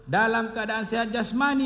dalam keadaan sehat jasmani